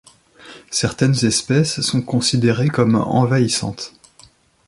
Certaines espèces sont considérées comme envahissantes.